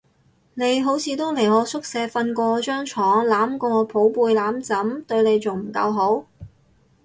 你好似都嚟我宿舍瞓過我張床，攬過我寶貝攬枕，對你仲唔夠好？